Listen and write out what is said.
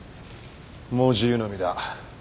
もう自由の身だ。